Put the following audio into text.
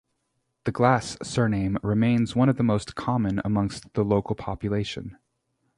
The Glass surname remains one of the most common amongst the local population.